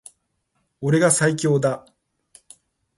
俺が最強だ